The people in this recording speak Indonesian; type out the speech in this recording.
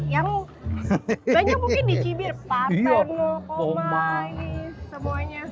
yang banyak mungkin dicibir patah nol koma semuanya